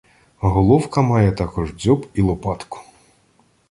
Головка має також дзьоб і лопатку.